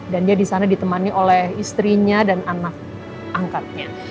dan dia di sana ditemani oleh istrinya dan anak angkatnya